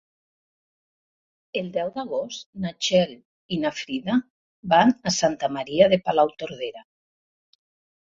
El deu d'agost na Txell i na Frida van a Santa Maria de Palautordera.